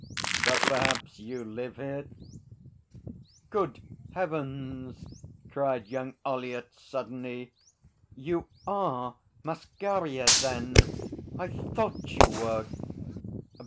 'But perhaps you live here?' 'Good heavens!' cried young Ollyett suddenly. 'You are Masquerier, then? I thought you were!'